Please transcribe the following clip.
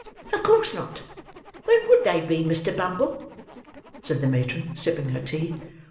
"Of course not. When would they be, Mr. Bumble?" said the matron, sipping her tea.